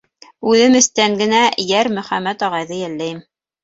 Үҙем эстән генә Йәр мөхәмәт ағайҙы йәлләйем.